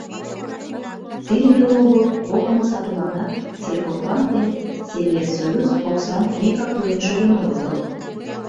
Тиде веле огыл, погымо сатуланат сельхозбанк ден сельлессоюз оксам вигак тӱлен шоген огытыл.